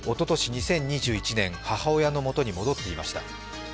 ２０２１年、母親のもとに戻っていました。